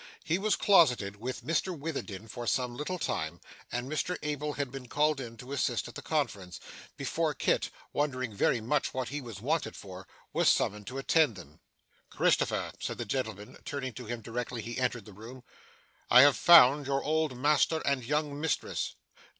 He was closeted with Mr Witherden for some little time, and Mr Abel had been called in to assist at the conference, before Kit, wondering very much what he was wanted for, was summoned to attend them. 'Christopher,' said the gentleman, turning to him directly he entered the room, 'I have found your old master and young mistress.